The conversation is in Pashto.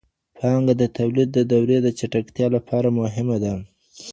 پانګه د توليد د دورې د چټکتيا لپاره مهمه ده.